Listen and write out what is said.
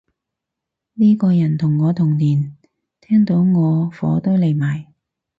呢個人同我同年，聽到我火都嚟埋